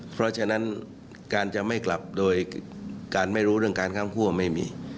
เพราะฉะนั้นการจะไม่กลับโดยการไม่รู้เรื่องการค้างคั่วไม่มี